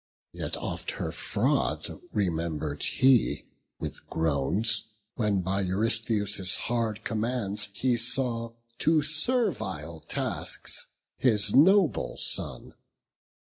Yet oft her fraud remember'd he with groans, When by Eurystheus' hard commands he saw Condemn'd to servile tasks his noble son.